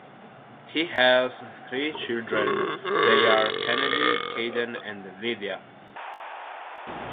He has three children they are Kennedy, Kaden and Lydia.